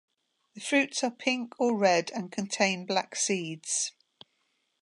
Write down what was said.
The fruits are pink or red and contain black seeds.